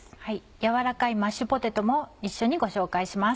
やわらかいマッシュポテトも一緒にご紹介します。